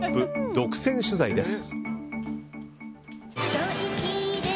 独占取材です。